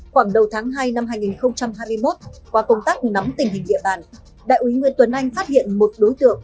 khoảng đầu tháng hai năm hai nghìn hai mươi một qua công tác nắm tình hình địa bàn đại úy nguyễn tuấn anh phát hiện một đối tượng